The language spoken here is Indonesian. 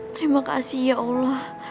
terima kasih ya allah